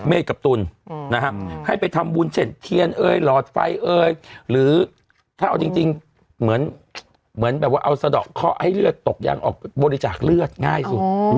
กับตุลนะฮะให้ไปทำบุญเช่นเทียนเอยหลอดไฟเอ่ยหรือถ้าเอาจริงเหมือนแบบว่าเอาสะดอกเคาะให้เลือดตกยังออกบริจาคเลือดง่ายสุด